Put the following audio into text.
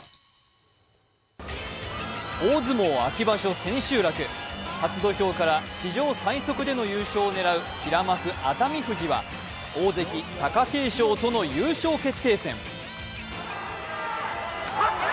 大相撲秋場所・千秋楽、初土俵から史上最速での優勝を狙う平幕・熱海富士は大関・貴景勝との優勝決定戦。